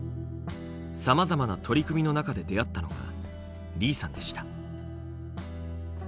さまざまな取り組みの中で出会ったのが李さんでした。